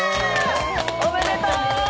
おめでとう！